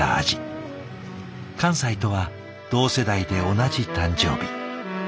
寛斎とは同世代で同じ誕生日。